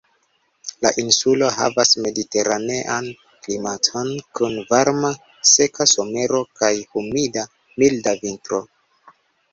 La insulo havas mediteranean klimaton kun varma seka somero kaj humida, milda vintro.